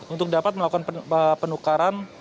untuk dapat melakukan penukaran